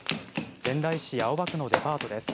仙台市青葉区のデパートです。